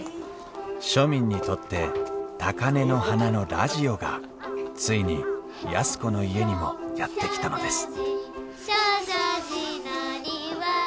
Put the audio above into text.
庶民にとって高根の花のラジオがついに安子の家にもやって来たのです「証城寺の庭は」